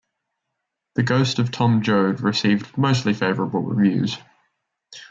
"The Ghost of Tom Joad" received mostly favorable reviews.